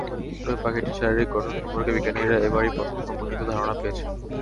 তবে পাখিটির শারীরিক গঠন সম্পর্কে বিজ্ঞানীরা এবারই প্রথম সমন্বিত ধারণা পেয়েছেন।